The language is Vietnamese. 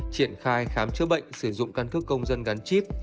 triển khai khám chữa bệnh sử dụng căn cước công dân gắn chip